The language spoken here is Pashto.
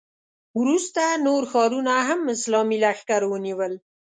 وروسته نور ښارونه هم اسلامي لښکرو ونیول.